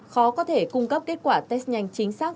khó có thể cung cấp kết quả test nhanh chính xác